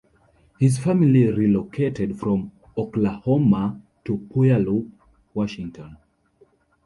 His family relocated from Oklahoma to Puyallup, Washington.